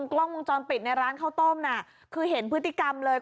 กล้องวงจรปิดในร้านข้าวต้มน่ะคือเห็นพฤติกรรมเลย